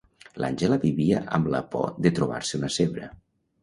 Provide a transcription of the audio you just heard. L'Àngela vivia amb la por de trobar-se una zebra.